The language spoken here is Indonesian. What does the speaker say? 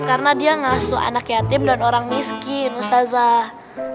karena dia ngasuh anak yatim dan orang miskin ustazah